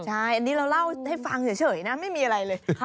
ใช่อันนี้เราเล่าให้ฟังเฉยนะไม่มีอะไรเลย